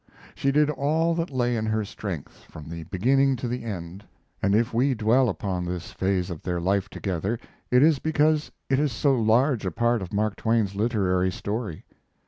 She did all that lay in her strength, from the beginning to the end, and if we dwell upon this phase of their life together it is because it is so large a part of Mark Twain's literary story.